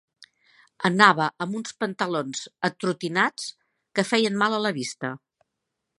Anava amb uns pantalons atrontinats que feien mal a la vista.